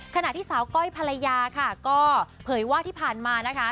ขณะที่สาวก้อยภรรยาค่ะก็เผยว่าที่ผ่านมานะคะ